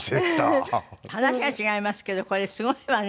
話が違いますけどこれすごいわね。